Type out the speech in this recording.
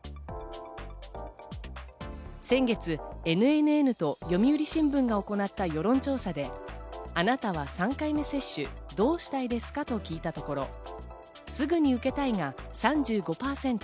先月、ＮＮＮと読売新聞が行った世論調査で、あなたは３回目接種どうしたいですかと聞いたところ、